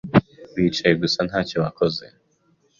Wicaye gusa ntacyo wakoze.